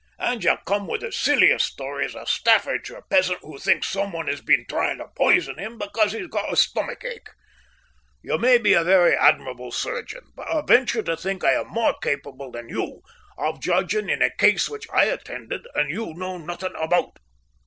And you come with as silly a story as a Staffordshire peasant who thinks someone has been trying to poison him because he's got a stomach ache. You may be a very admirable surgeon, but I venture to think I am more capable than you of judging in a case which I attended and you know nothing about."